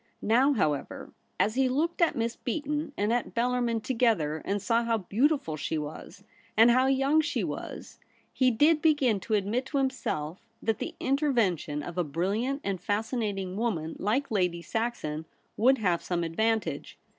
Now, however, as he looked at Miss Beaton and at Bellarmin together, and saw how beautiful she was, and how young she was, he did begin to admit to himself that the intervention of a brilliant and fascinating woman like Lady Saxon would have some advantage.